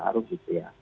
baru gitu ya